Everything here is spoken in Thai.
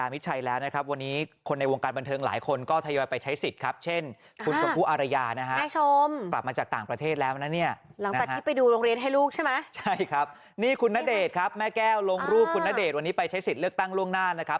ไม่เหมือนแล้วอ่ะไม่เหมือนอย่างเมื่อก่อนแล้วค่ะ